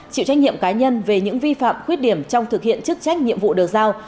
chịu trách nhiệm cá nhân về những vi phạm khuyết điểm trong thực hiện chức trách nhiệm vụ được giao